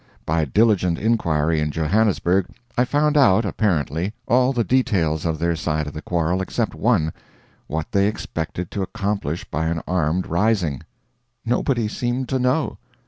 By diligent inquiry in Johannesburg I found out apparently all the details of their side of the quarrel except one what they expected to accomplish by an armed rising. Nobody seemed to know.